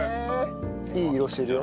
いい色してるよ。